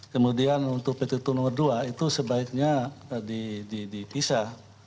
kemudian untuk petitum nomor dua itu sebaiknya dipisah